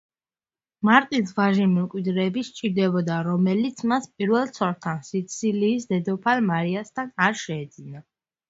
მარტინს ვაჟი მემკვიდრეები სჭირდებოდა, რომელიც მას პირველ ცოლთან, სიცილიის დედოფალ მარიასთან არ შეეძინა.